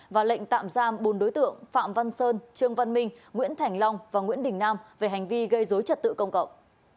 và lệnh tạm giam bốn đối tượng phạm văn sơn trương văn minh nguyễn thành long và nguyễn đình nam về hành vi gây dối trật tự công cộng